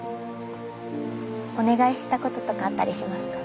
お願いしたこととかあったりしますか？